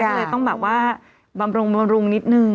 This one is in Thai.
เลยต้องแบบว่าบำรุงนิดนึง